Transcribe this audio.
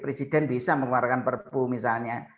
presiden bisa mengeluarkan perpu misalnya